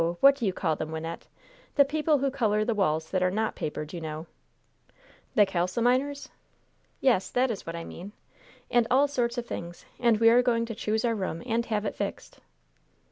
what do you call them, Wynnette? the people who color the walls that are not papered, you know?" "The kalsominers?" "Yes, that is what I mean! And all sorts of things! And we are going to choose our room and have it fixed!"